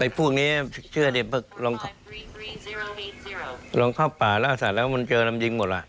พวกนี้เชื่อดิลองเข้าป่าล่าสัตว์แล้วมันเจอลำยิงหมดล่ะ